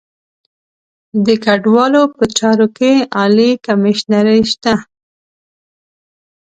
د کډوالو په چارو کې عالي کمیشنري شته.